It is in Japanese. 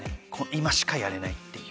今しかやれないっていう。